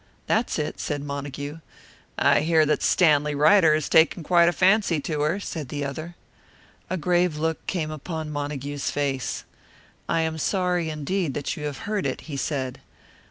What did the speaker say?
"That's it," said Montague. "I hear that Stanley Ryder has taken quite a fancy to her," said the other. A grave look came upon Montague's face. "I am sorry, indeed, that you have heard it," he said.